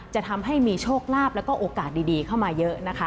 จะทำให้มีโชคลาภแล้วก็โอกาสดีเข้ามาเยอะนะคะ